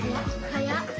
はやっ。